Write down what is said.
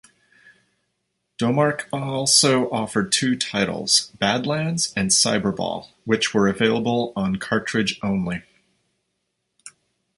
Domark also offered two titles, "Badlands" and "Cyberball", which were available on cartridge only.